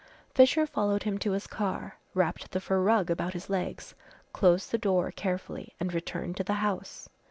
Fisher followed him to his car, wrapped the fur rug about his legs, closed the door carefully and returned to the house.